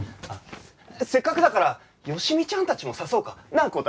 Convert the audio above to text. あっせっかくだから好美ちゃんたちも誘おうか！なあ？